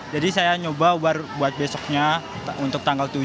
jadi saya nyoba buat besoknya untuk tanggal tujuh